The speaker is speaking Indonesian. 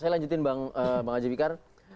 saya lanjutin bang ajib iqar